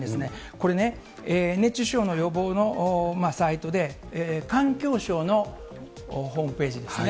これね、熱中症の予防のサイトで、環境省のホームページですね。